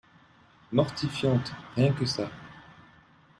Mortifiante, rien que ça